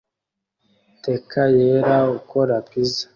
Teka yera ukora pizza